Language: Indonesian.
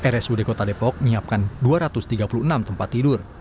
rsud kota depok menyiapkan dua ratus tiga puluh enam tempat tidur